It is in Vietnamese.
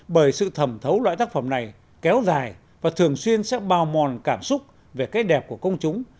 bởi sự thẩm thấu loại tác phẩm này kéo dài và thường xuyên sẽ bao mòn cảm xúc về cái đẹp của công chúng